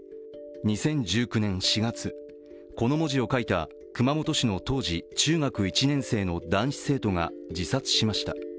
２０１９年４月、この文字を書いた熊本市の当時、中学１年生の男子生徒が自殺しました。